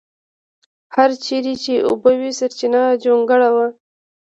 هر چېرې چې اوبه وې سپېرچنه جونګړه وه.